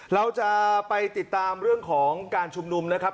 เราจะไปติดตามเรื่องของการชุมนุมนะครับ